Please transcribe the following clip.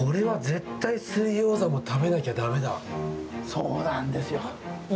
そうなんですよ。